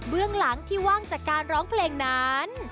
หลังที่ว่างจากการร้องเพลงนั้น